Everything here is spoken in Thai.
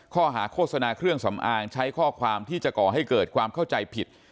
ข้อหาโฆษณาเครื่องสำอางใช้ข้อความที่จะก่อให้เกิดความเข้าใจผิด